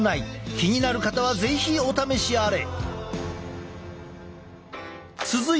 気になる方は是非お試しあれ！